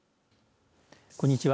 こんにちは。